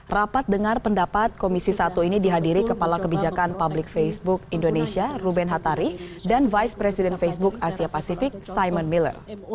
rapat dengar pendapat komisi satu ini dihadiri kepala kebijakan publik facebook indonesia ruben hatari dan vice president facebook asia pasifik simon miller